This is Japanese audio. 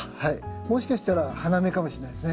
もしかしたら花芽かもしれないですね。